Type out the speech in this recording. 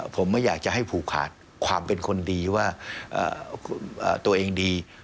ผมไม่อยากจะให้ผูกขาดความเป็นคนดีว่าตัวเองดี